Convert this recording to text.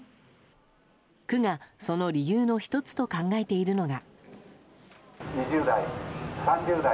区が、その理由の１つと考えているのが。